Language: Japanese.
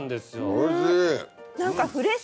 おいしい。